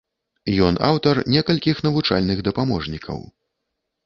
Ён аўтар некалькіх навучальных дапаможнікаў.